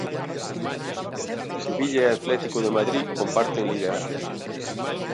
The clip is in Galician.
Sevilla e Atlético de Madrid comparten liderado.